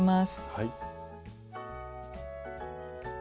はい。